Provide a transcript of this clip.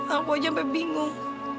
aku aja sampe bingung